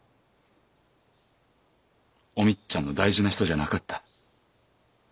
お美津ちゃんの大事な人じゃなかった。